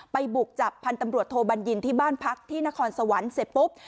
บุกจับพันธ์ตำรวจโทบัญญินที่บ้านพักที่นครสวรรค์เสร็จปุ๊บ